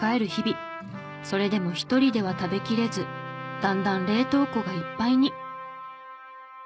それでも１人では食べきれずだんだん冷凍庫がいっぱいに。